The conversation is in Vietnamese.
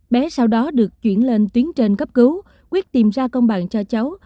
bé sau đó được chuyển lên tuyến trên cấp cứu quyết tìm ra công bạn cho cháu